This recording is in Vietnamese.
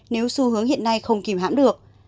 nếu xu hướng hiện nay không kìm hãm được